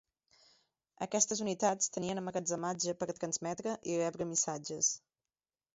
Aquestes unitats tenien emmagatzematge per transmetre i rebre missatges.